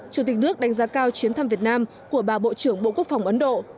chủ tịch nước đánh giá cao chuyến thăm việt nam của bà bộ trưởng bộ quốc phòng ấn độ